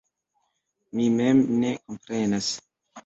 Mi mem ne komprenas.